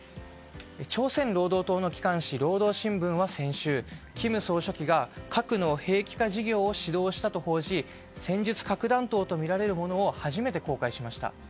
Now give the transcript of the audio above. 朝鮮労働党の機関紙労働新聞は先週、金総書記が核の兵器化事業を指導したと報じ戦術核弾頭とみられるものを初めて公開しました。